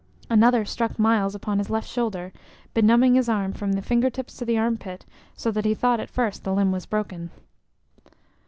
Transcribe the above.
Another struck Myles upon his left shoulder, benumbing his arm from the finger tips to the armpit, so that he thought at first the limb was broken.